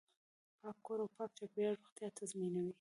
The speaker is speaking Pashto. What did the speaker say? پاک کور او پاک چاپیریال روغتیا تضمینوي.